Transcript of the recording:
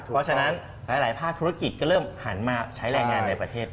เพราะฉะนั้นหลายภาคธุรกิจก็เริ่มหันมาใช้แรงงานในประเทศ